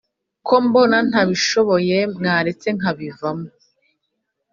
Kombona ntabishoboye mwaretse nkabivamo